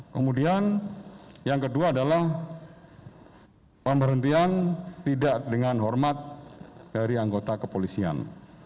kemudian yang kedua adalah pemberhentian tidak dengan hormat dari anggota kepolisian